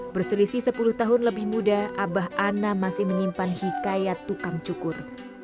berselisih sepuluh tahun lebih muda abah ana masih menyimpan hikayat tukang cukur